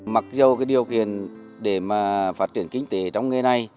mặc dù điều kiện để phát triển kinh tế trong nghề này